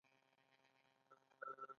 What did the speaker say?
د سرپل په سانچارک کې د ډبرو سکاره شته.